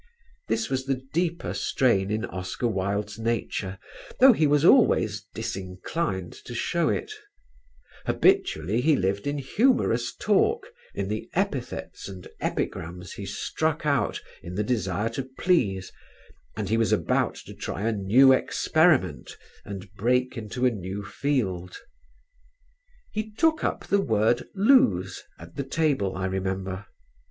This was the deeper strain in Oscar Wilde's nature though he was always disinclined to show it. Habitually he lived in humorous talk, in the epithets and epigrams he struck out in the desire to please and astonish his hearers. One evening I learned almost by chance that he was about to try a new experiment and break into a new field. He took up the word "lose" at the table, I remember.